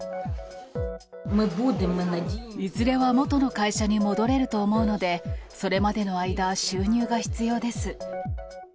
いずれは元の会社に戻れると思うので、それまでの間、収入が必要です。